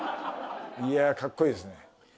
いやぁかっこいいですね。